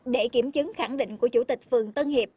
để kiểm chứng khẳng định của chủ tịch phường tân hiệp